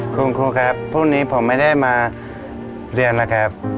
คุณครูครับพรุ่งนี้ผมไม่ได้มาเรียนนะครับ